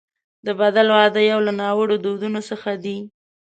د بدل واده یو له ناوړه دودونو څخه دی.